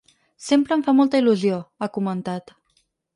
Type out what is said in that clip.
Sempre em fa molta il·lusió, ha comentat.